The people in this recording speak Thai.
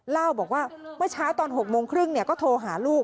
เล่าบอกว่าเมื่อเช้าตอน๖โมงครึ่งก็โทรหาลูก